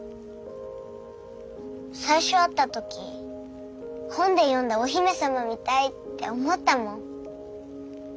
最初会った時本で読んだお姫様みたいって思ったもん。